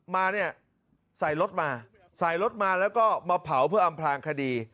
มาเนี่ยใส่รถมาใส่รถมาแล้วก็มาเผาเพื่ออำพลางคดี